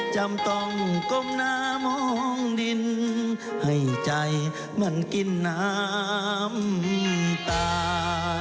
จำต้องก้มหน้ามองดินให้ใจมันกินน้ำตา